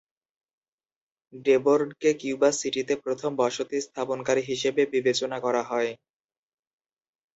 ডেবোর্ডকে Cuba সিটিতে প্রথম বসতি স্থাপনকারী হিসেবে বিবেচনা করা হয়।